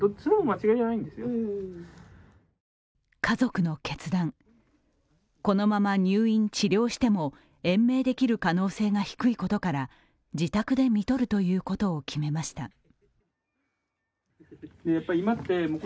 家族の決断、このまま入院・治療しても延命できる可能性が低いことから自宅でみとるということを決めました。